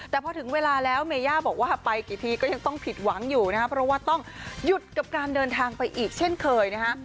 แต่พอถึงเวลาแล้วเมย่าบอกว่าไปกี่ทีก็ยังต้องผิดหวังอยู่นะครับเพราะว่าต้องหยุดกับการเดินทางไปอีกเช่นเคยนะฮะ